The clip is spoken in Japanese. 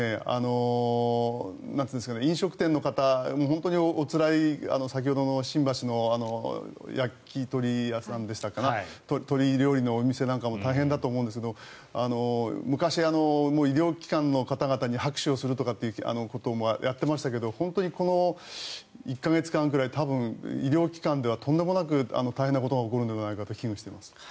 そうすると、飲食店の方は本当におつらい先ほどの新橋の焼き鳥屋さんでしたか鶏料理のお店なんかも大変だと思うんですが昔、医療機関の方々に拍手をするということもやっていましたけど本当にこの１か月間ぐらい多分医療機関はとんでもなく大変なことが起こるのではないかと危惧しています。